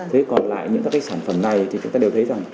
thế còn lại những các cái sản phẩm này thì chúng ta đều thấy rằng